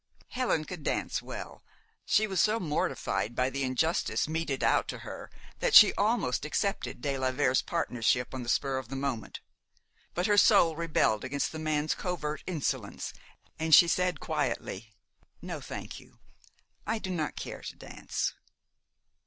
Helen could dance well. She was so mortified by the injustice meted out to her that she almost accepted de la Vere's partnership on the spur of the moment. But her soul rebelled against the man's covert insolence, and she said quietly: "No, thank you. I do not care to dance."